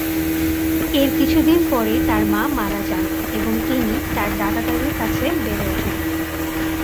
এর কিছু দিন পরেই তার মা মারা যান এবং তিনি তার দাদা-দাদির কাছে বেড়ে উঠেন।